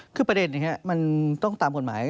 คือประเด็นนี้มันต้องตามกฎหมาย